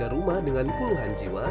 tiga puluh tiga rumah dengan puluhan jiwa